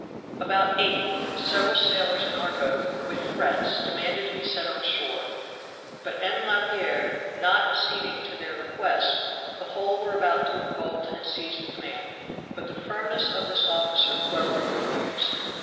About eight, several sailors in our boat, with threats, demanded to be set on shore; but M. Laperere, not acceding to their request, the whole were about to revolt and seize the command; but the firmness of this officer quelled the mutineers.